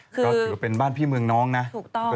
ก็ถือว่าเป็นบ้านพี่เมืองน้องนะถูกต้อง